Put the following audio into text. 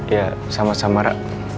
ya sama sama ra